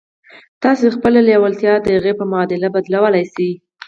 تاسې خپله لېوالتیا د هغې په معادل بدلولای شئ